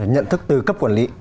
nhận thức tư cấp quản lý